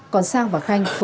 còn sang và khanh